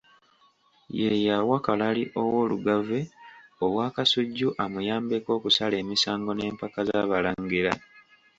Ye yawa Kalali ow'Olugave Obwakasujju amuyambenga okusala emisango n'empaka z'Abalangira.